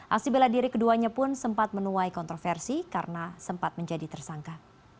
aksi bela diri keduanya pun sempat menuai kontroversi karena sempat menjadi tersangka